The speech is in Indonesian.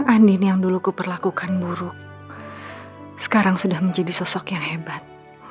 andin yang dulu kuperlakukan buruk sekarang sudah menjadi sosok yang hebat